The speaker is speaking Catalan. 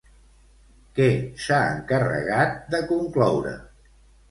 Què s'ha encarregat de concloure?